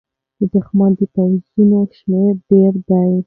د دښمن د پوځونو شمېر ډېر دی.